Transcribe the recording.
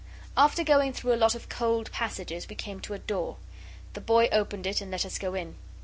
After going through a lot of cold passages we came to a door; the boy opened it, and let us go in.